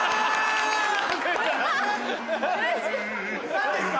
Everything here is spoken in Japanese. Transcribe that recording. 何ですか？